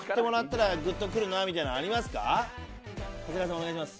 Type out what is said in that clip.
お願いします。